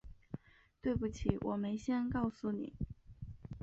对不起，我没先告诉你